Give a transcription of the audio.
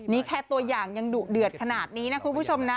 นี่แค่ตัวอย่างยังดุเดือดขนาดนี้นะคุณผู้ชมนะ